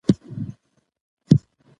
پښتو د اړیکو لپاره ګټوره ده.